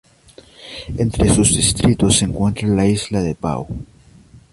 Entre sus distritos se encuentra la isla de Bau.